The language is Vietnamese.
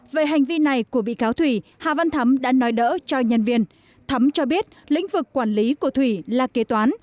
về hành vi này của bị cáo thủy hà văn thắm đã nói đỡ cho nhân viên thắm cho biết lĩnh vực quản lý của thủy là kế toán